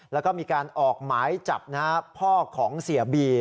แล้วก็มีการออกหมายจับพ่อของเสียบี